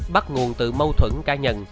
bắt nguồn từ mâu thuẫn ca nhân